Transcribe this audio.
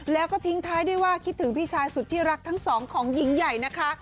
แล้วก็ทิ้งท้ายด้วยว่าคิดถึงพี่ชายสุดที่รักทั้งสองของหญิงใหญ่นะคะ